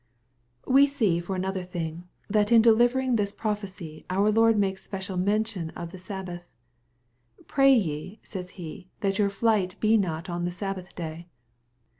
We see, for another thing, thatftw delivering this pro^ phecyj our Lord makes special mention of the Sabbath, j "Pray ye,'* he says, "that your flight be not on the Sabbath day.''